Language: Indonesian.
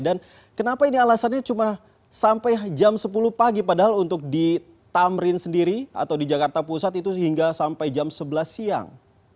dan kenapa ini alasannya cuma sampai jam sepuluh pagi padahal untuk di tamrin sendiri atau di jakarta pusat itu hingga sampai jam sebelas siang